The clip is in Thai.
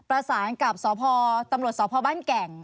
โดยเพลงข้อมูลเรียนนะคะประสานกับตำรวจศพบ้านแก่ง